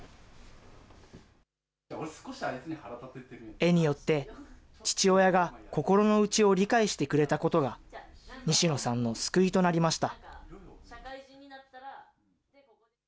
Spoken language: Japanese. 絵によって、父親が心の内を理解してくれたことが、西野さんの救いとなりました。